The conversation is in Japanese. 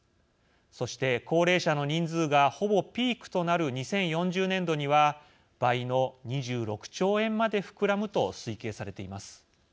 そして、高齢者の人数がほぼピークとなる２０４０年度には倍の２６兆円まで膨らむと推計されています。